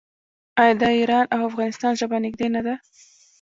آیا د ایران او افغانستان ژبه نږدې نه ده؟